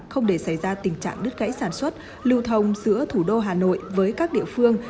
không để xảy ra tình trạng đứt gãy sản xuất lưu thông giữa thủ đô hà nội với các địa phương